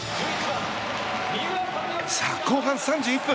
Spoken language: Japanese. さあ、後半３１分。